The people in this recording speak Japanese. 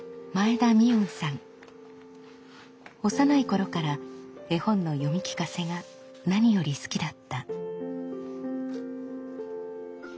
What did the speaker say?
幼い頃から絵本の読み聞かせが何より好きだった。